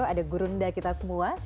ada gurunda kita semua